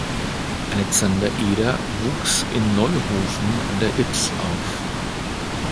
Alexander Eder wuchs in Neuhofen an der Ybbs auf.